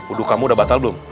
aduh kamu udah batal belum